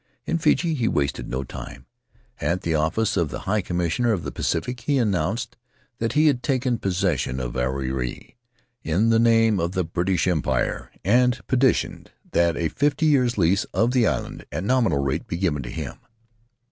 In Fiji he wasted no time. At the office of the High Commissioner of the Pacific he announced that he had taken possession of Ariri in the name of the British Empire, and petitioned that a fifty years' lease of the island — at nominal rate — be given him.